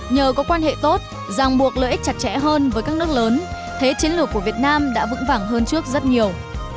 nhờ có quan hệ tốt ràng buộc lợi ích chặt chẽ hơn với các nước lớn thế chiến lược của việt nam đã vững vàng hơn trước rất nhiều